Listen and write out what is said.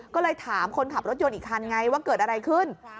ก็เลยถามคนขับรถยนต์อีกคันไงว่าเกิดอะไรขึ้น